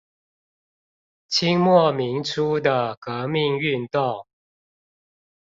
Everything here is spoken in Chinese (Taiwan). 清末民初的革命運動